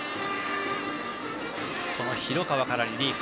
この広川からリリーフ。